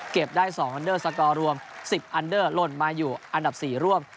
ได้๒อันเดอร์สกอร์รวม๑๐อันเดอร์หล่นมาอยู่อันดับ๔ร่วม